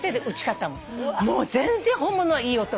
もう全然本物はいい音。